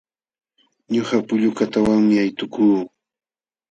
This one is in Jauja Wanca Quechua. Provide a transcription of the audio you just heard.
Ñuqa pullu kataawanmi aytukuu.